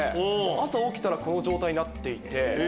朝起きたらこの状態になっていて。